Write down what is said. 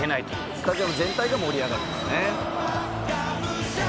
「スタジアム全体が盛り上がるんですね」